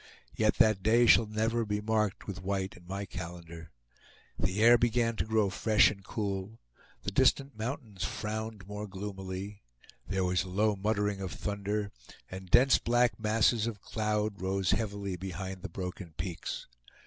Yet that day shall never be marked with white in my calendar. The air began to grow fresh and cool, the distant mountains frowned more gloomily, there was a low muttering of thunder, and dense black masses of cloud rose heavily behind the broken peaks.